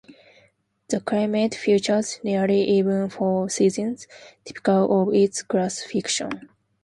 The climate features nearly even four seasons, typical of its classification.